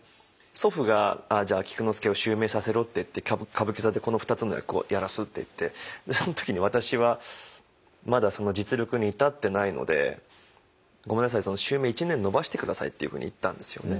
祖父がじゃあ菊之助を襲名させろって言って歌舞伎座でこの２つの役をやらすって言ってその時に私はまだその実力に至ってないので「ごめんなさいその襲名１年延ばして下さい」っていうふうに言ったんですよね。